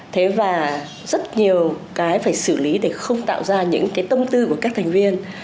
thế và rất nhiều cái phải xử lý để không tạo ra những cái tâm tư của các thành viên